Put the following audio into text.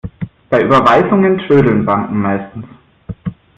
Bei Überweisungen trödeln Banken meistens.